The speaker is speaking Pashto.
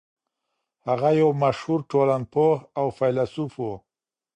هغه يو مشهور ټولنپوه او فيلسوف و.